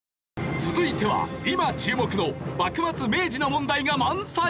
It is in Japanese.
続いては今注目の幕末・明治の問題が満載！